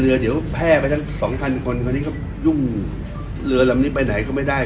เดี๋ยวแพร่ไปทั้งสองพันคนคราวนี้ก็ยุ่งเรือลำนี้ไปไหนก็ไม่ได้